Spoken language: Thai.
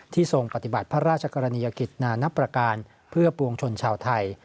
ทรงปฏิบัติพระราชกรณียกิจนานับประการเพื่อปวงชนชาวไทย